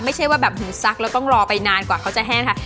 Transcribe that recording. ไม่ใช่ว่าแบบซักแล้วต้องรอไปนานกว่าเขาจะแห้งค่ะ